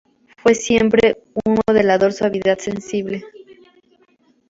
Fue siempre un modelador de suavidad sensible.